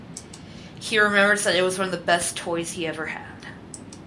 He remembers that it was one of the best toys he ever had.